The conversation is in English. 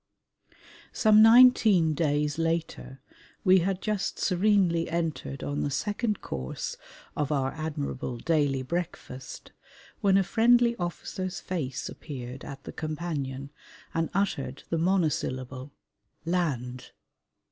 Some nineteen days later we had just serenely entered on the second course of our admirable daily breakfast when a friendly officer's face appeared at the companion and uttered the monosyllable "land."